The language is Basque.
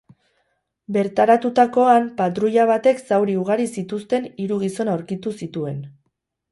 Bertaratutakoan patruila batek zauri ugari zituzten hiru gizon aurkitu zituen.